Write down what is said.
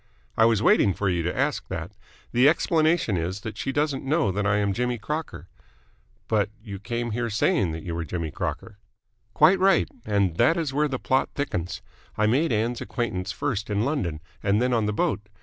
"I was waiting for you to ask that. The explanation is that she doesn't know that I am Jimmy Crocker." "But you came here saying that you were Jimmy Crocker." "Quite right. And that is where the plot thickens. I made Ann's acquaintance first in London and then on the boat.